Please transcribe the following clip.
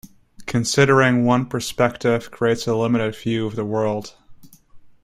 Considering one perspective creates a limited view of the world.